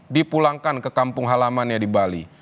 dipulangkan ke kampung halamannya di bali